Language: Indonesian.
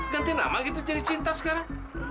ganti nama gitu jadi cinta sekarang